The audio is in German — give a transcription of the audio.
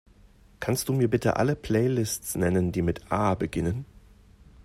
Kannst Du mir bitte alle Playlists nennen, die mit A beginnen?